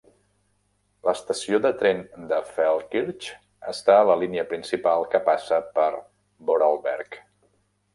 L"estació de tren de Feldkirch està a la línia principal que passa per Vorarlberg.